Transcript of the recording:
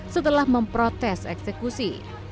setelah memprotes eksekusi